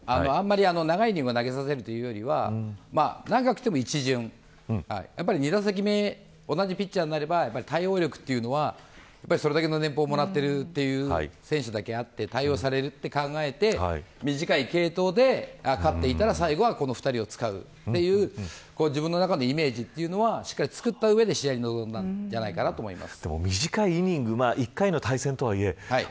長いイニングを投げさせるというより長くても一巡、２打席目で同じピッチャーになったら対応力というのはそれだけの年俸をもらっている選手だけあって対応されると考えて短い継投で勝っていたら最後は、この２人を使うという自分のイメージをつくった上で試合に臨んだんじゃないかなと思います。